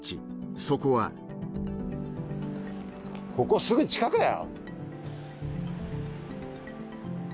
そこはここすぐ近くだよ。